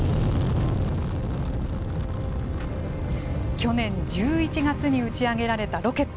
去年１１月に打ち上げられたロケット。